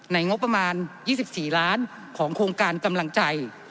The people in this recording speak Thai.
งบประมาณ๒๔ล้านของโครงการกำลังใจ